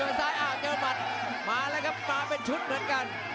ล่าเลยครับมาเป็นชุดเหมือนกัน